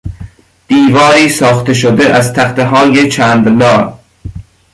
دیواری ساخته شده از تختههای چند لا